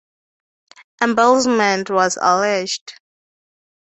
Embezzlement was alleged.